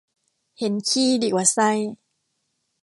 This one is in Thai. เห็นขี้ดีกว่าไส้